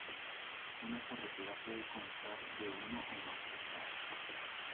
Una carretera puede constar de uno o más calzadas.